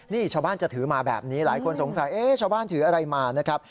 นี่ชาวบ้านจะถือมาแบบนี้หลายคนสงสัยชาวบ้านถืออะไรมานะครับ